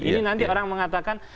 ini nanti orang mengatakan